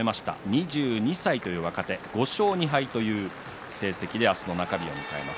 ２２歳という若手５勝５敗の成績で明日、中日を迎えます。